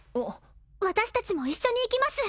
私達も一緒に行きます